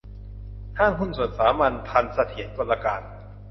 ห้างหุ้นส่วนสามัญ ธัญเสถียรกลการ